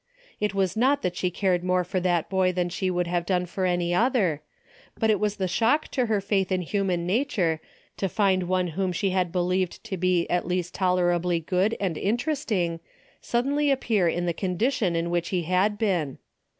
It was not that she cared more for that boy than* she would have done for any other, but it was the shock to her faith in human nature to find one whom she had believed to be at least tolerably good and interesting, suddenly appear in the condition in which he had been.